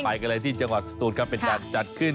ไปกันเลยที่จังหวัดสตูนครับเป็นการจัดขึ้น